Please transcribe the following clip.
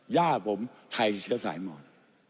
ย่าผมไทยเชื้อสายหมอน